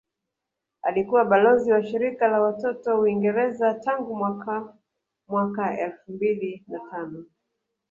Alikuwa balozi wa shirika la watoto Uingereza tangu mwaka mwaka elfu mbili na tano